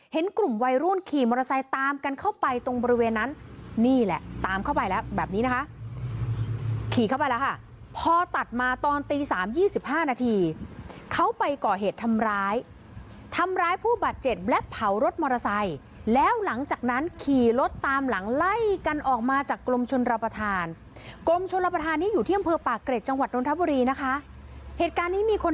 เห็นกลุ่มวัยรุ่นขี่มอเตอร์ไซค์ตามกันเข้าไปตรงบริเวณนั้นนี่แหละตามเข้าไปแล้วแบบนี้นะคะขี่เข้าไปแล้วค่ะพอตัดมาตอนตีสามยี่สิบห้านาทีเขาไปก่อเหตุทำร้ายทำร้ายผู้บาดเจ็บและเผารถมอเตอร์ไซค์แล้วหลังจากนั้นขี่รถตามหลังไล่กันออกมาจากกรมชนรับประทานกรมชนรับประทานนี้อยู่ที่อำเภอปากเกร็ดจังหวัดนทบุรีนะคะเหตุการณ์นี้มีคน